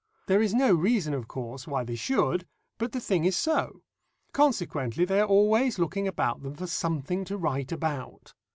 There is no reason, of course, why they should, but the thing is so. Consequently, they are always looking about them for something to write about.